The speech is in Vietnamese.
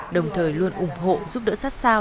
đồng thời luôn ủng hộ giúp đỡ sát sao